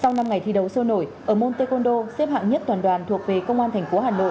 sau năm ngày thi đấu sâu nổi ở môn tê cuôn đô xếp hạng nhất toàn đoàn thuộc về công an tp hcm